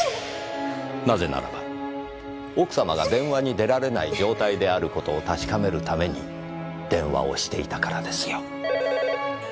なぜならば奥様が電話に出られない状態である事を確かめるために電話をしていたからですよ。